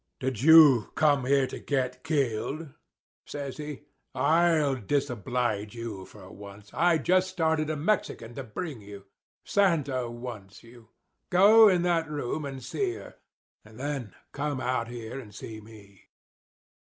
'Did you come here to get killed?' says he; 'I'll disoblige you for once. I just started a Mexican to bring you. Santa wants you. Go in that room and see her. And then come out here and see me.